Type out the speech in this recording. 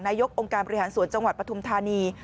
ยกองค์การบริหารส่วนจังหวัดปฐุมธานี